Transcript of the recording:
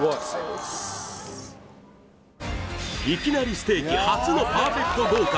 ステーキ初のパーフェクト合格